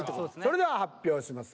それでは発表します。